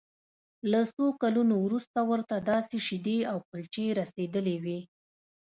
له څو کلونو وروسته ورته داسې شیدې او کلچې رسیدلې وې